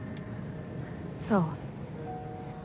そう。